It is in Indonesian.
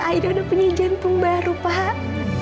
aida sudah punya jantung baru pak